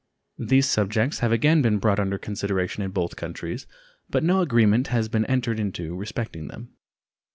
These subjects have again been brought under consideration in both countries, but no agreement has been entered into respecting them.